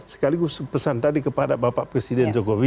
sekaligus pesan tadi kepada bapak presiden jokowi